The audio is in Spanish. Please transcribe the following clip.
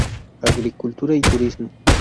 Agricultura y turismo.